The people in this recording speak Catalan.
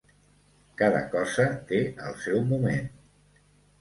Cada cosa té el seu moment.